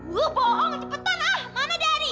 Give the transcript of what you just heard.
gue bohong cepetan ah mana dari